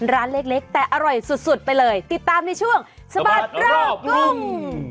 ร้านเล็กแต่อร่อยสุดไปเลยติดตามในช่วงสะบัดรอบกรุง